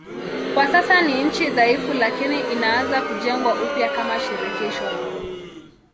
Kwa sasa ni nchi dhaifu lakini inaanza kujengwa upya kama shirikisho.